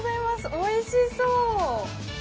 おいしそう。